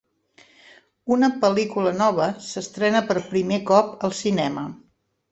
Una pel·lícula nova s'estrena per primer cop al cinema.